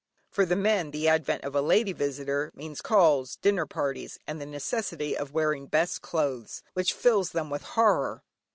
For the men, the advent of a lady visitor means calls, dinner parties, and the necessity of wearing best clothes, which fills them with horror.